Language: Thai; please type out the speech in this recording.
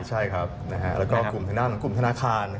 ใช่ครับแล้วก็กลุ่มธนาคาร